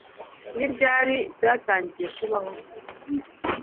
Ni ryari byatangiye kubaho